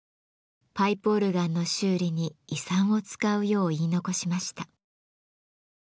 パイプオルガンの修理に遺産を使うよう言い残しました。